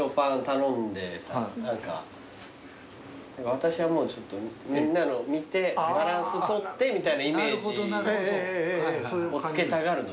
「私はみんなの見てバランス取って」みたいなイメージをつけたがるのよ。